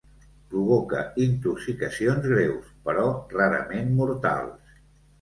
Provoca intoxicacions greus, però rarament mortals.